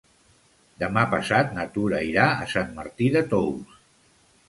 Demà passat na Tura irà a Sant Martí de Tous.